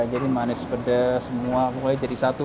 jadi manis pedes semua pokoknya jadi satu